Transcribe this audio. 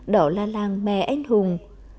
đó là làng mẹ ánh hùng